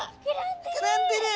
膨らんでる！